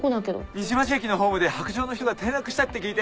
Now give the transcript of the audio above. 虹町駅のホームで白杖の人が転落したって聞いて。